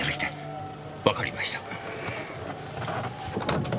わかりました。